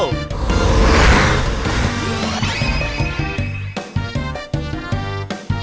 แจ๊คเชิญยิ้ม